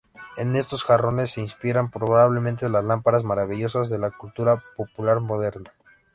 En estos jarrones se inspiran probablemente las "lámparas maravillosas" de la cultura popular moderna.